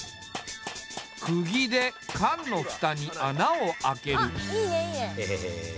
くぎで缶の蓋に穴を開ける。